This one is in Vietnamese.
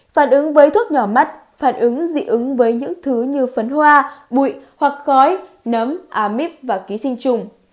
phản ứng với thuốc nhỏ mắt phản ứng dị ứng với những thứ như phấn hoa bụi hoặc khói nấm a mít và ký sinh trùng